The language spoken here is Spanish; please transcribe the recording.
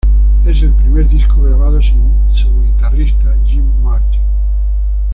Es el primer disco grabado sin su guitarrista Jim Martin.